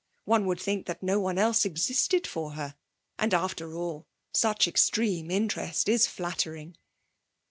One would think that no one else existed for her. And, after all, such extreme interest is flattering.